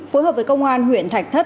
phối hợp với công an huyện thạch thất